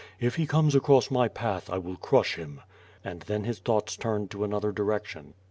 "If he comes across my path, I will crush him," and then his thoughts turned to another direction.